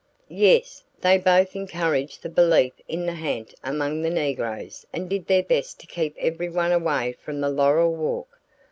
"Yes they both encouraged the belief in the ha'nt among the negroes and did their best to keep everyone away from the laurel walk.